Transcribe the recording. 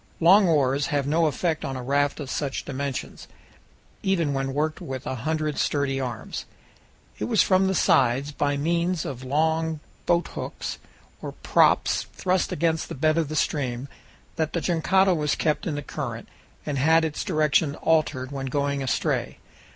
Long oars have no effect on a raft of such dimensions, even when worked with a hundred sturdy arms. It was from the sides, by means of long boathooks or props thrust against the bed of the stream, that the jangada was kept in the current, and had its direction altered when going astray.